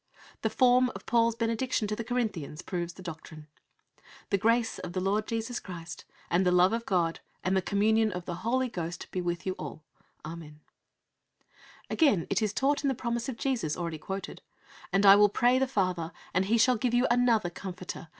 The form of Paul's benediction to the Corinthians proves the doctrine: "The grace of the Lord Jesus Christ, and the love of God, and the communion of the Holy Ghost, be with you all. Amen" (2 Cor. xiii. 14). Again, it is taught in the promise of Jesus, already quoted, "And I will pray the Father, and He shall give you another Comforter...